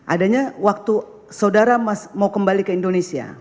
adanya waktu saudara mau kembali ke indonesia